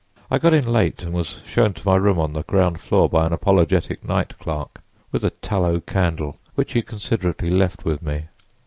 I got in late and was shown to my room on the ground floor by an apologetic night clerk with a tallow candle, which he considerately left with me.